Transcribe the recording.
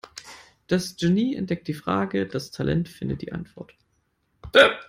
Das Genie entdeckt die Frage, das Talent findet die Antwort.